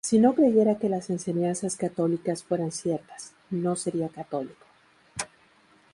Si no creyera que las enseñanzas católicas fueran ciertas, no sería católico.